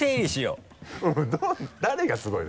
うん誰がすごいの？